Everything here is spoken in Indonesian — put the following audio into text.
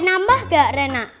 nambah gak rena